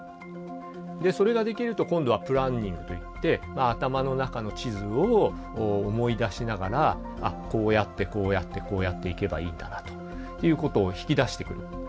でそれができると今度はプランニングといって頭の中の地図を思い出しながら「あっこうやってこうやってこうやって行けばいいんだな」ということを引き出してくる。